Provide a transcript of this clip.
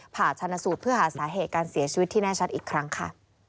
ผ่าชนะสูตรเพื่อหาสาเหตุการเสียชีวิตที่แน่ชัดอีกครั้งค่ะ